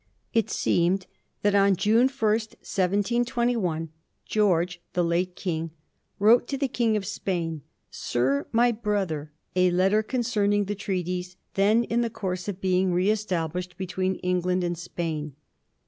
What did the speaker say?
It seemed that on June 1, 1721, George, the late King, wrote to the King of Spain, ' Sir my brother,' a letter concerning the treaties then in the course of being re established between England and Spain.